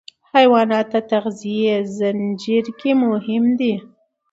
حیوانات د تغذیې زنجیر کې مهم دي.